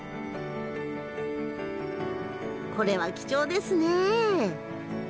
これは貴重ですね。